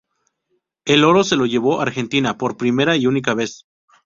El oro se lo llevó Argentina por primera y única vez.